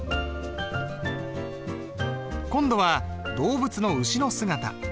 今度は動物の牛の姿。